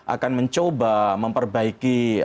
akan mencoba memperbaiki